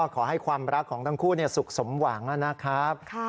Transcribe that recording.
ขอให้ความรักของทั้งคู่สุขสมหวังนะครับ